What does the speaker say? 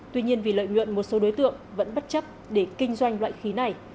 tuy nhiên vì lợi nhuận một số đối tượng vẫn bất chấp để kinh doanh loại khí này